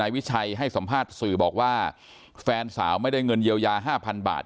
วิชัยให้สัมภาษณ์สื่อบอกว่าแฟนสาวไม่ได้เงินเยียวยา๕๐๐บาท